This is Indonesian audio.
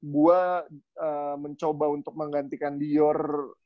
gue mencoba untuk menggantikan dior